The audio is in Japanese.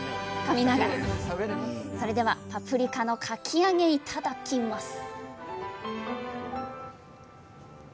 それではパプリカのかき揚げいただきます！